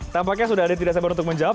mas miftah sudah ada tiga sabar untuk menjawab